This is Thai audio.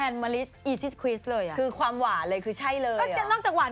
นุ้ยไม่ได้พูด